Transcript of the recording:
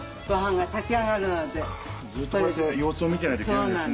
ずっとこうやって様子を見てないといけないんですね。